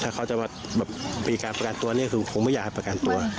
ถ้าเขาจะมามีการประกันตัวเนี่ยคือคงไม่อยากให้ประกันตัว